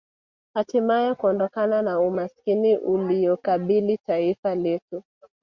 Hatimae kuondokana na umaskini unaolikabili taifa letu